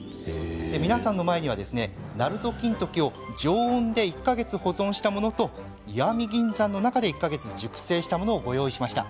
皆さんの前には、なると金時を常温で１か月保存したものと石見銀山の中で１か月熟成したものをご用意しました。